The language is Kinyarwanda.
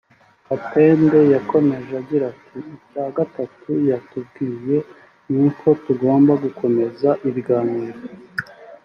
Katende yakomeje agira ati “Icya gatatu yatubwiye ni uko tugomba gukomeza ibiganiro